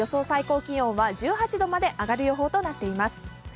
最高気温は１８度まで上がる予想となっています。